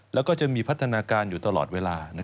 แล้วก็จะมีพัฒนาการอยู่ตลอดเวลา